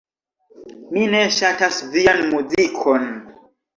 Mi ne ŝatas vian muzikon.